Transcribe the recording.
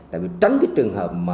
tại vì tránh trường hợp